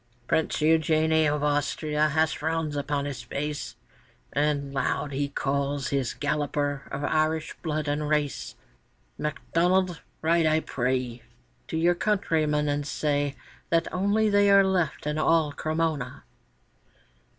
Prince Eugène of Austria has frowns upon his face, And loud he calls his Galloper of Irish blood and race: 'MacDonnell, ride, I pray, To your countrymen, and say That only they are left in all Cremona!